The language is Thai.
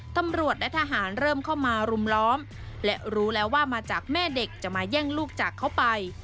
ตำรวจและทหารเริ่มเข้ามารุมล้อมและรู้แล้วว่ามาจากแม่เด็กจะมาแย่งลูกจากเขาไป